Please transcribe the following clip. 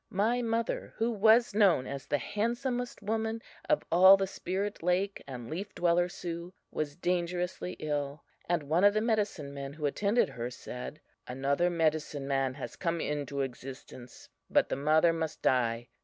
My mother, who was known as the handsomest woman of all the Spirit Lake and Leaf Dweller Sioux, was dangerously ill, and one of the medicine men who attended her said: "Another medicine man has come into existence, but the mother must die.